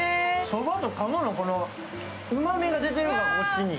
そばと鴨のうまみ出てる、こっちに。